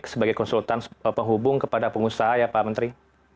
sebagai konsultan penghubung kepada pengusaha ya pak menteri